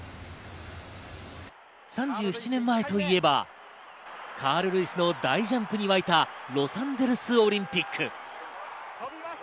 ３７年前といえば、カール・ルイスの大ジャンプには沸いたロサンゼルスオリンピック。